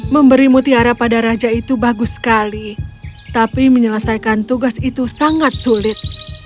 memberi mutiara pada raja itu bagus sekali tapi menyelesaikan tugas itu sangat sulit